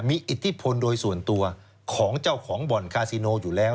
มีอิทธิพลโดยส่วนตัวของเจ้าของบ่อนคาซิโนอยู่แล้ว